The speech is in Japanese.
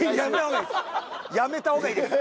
止めた方がいいです。